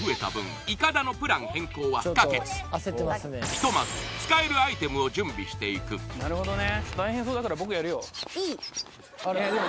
ひとまず使えるアイテムを準備していくなるほどね